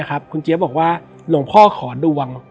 คุณเจี๊ยบบอกว่าหลวงพ่อขอดวง